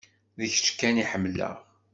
D kečč kan i ḥemmleɣ.